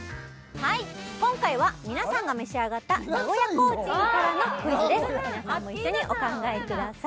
はい今回は皆さんが召し上がった名古屋コーチンからのクイズです皆さんも一緒にお考えください